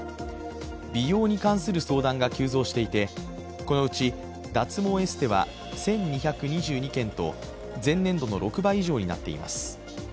美容に関する相談が急増していて、このうち、脱毛エステは１２２２件と、前年度の６倍以上になっています。